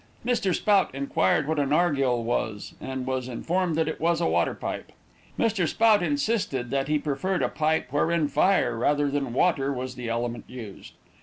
Mr. Spout inquired what a nargillê was, and was informed that it was a water pipe. Mr. Spout insisted that he preferred a pipe wherein fire, rather than water, was the element used.